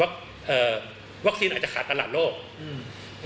เอ่อวัคซีนอาจจะขาดตลาดโลกอืม